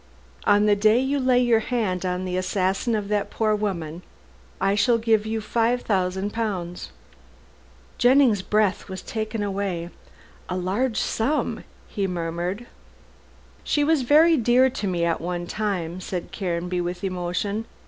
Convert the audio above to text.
"On the day you lay your hand on the assassin of that poor woman I shall give you five thousand pounds." Jennings' breath was taken away. "A large sum," he murmured. "She was very dear to me at one time," said Caranby with emotion.